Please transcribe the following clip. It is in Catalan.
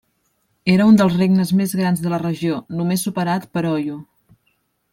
Era un dels regnes més grans de la regió, només superat per Oyo.